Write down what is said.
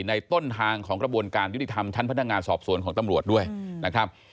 ต้นทางของกระบวนการยุติธรรมชั้นพนักงานสอบสวนของตำรวจด้วยนะครับ